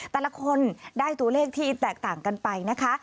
แต่ละคนได้ตัวเลขที่แตกต่างกันไปนะคะ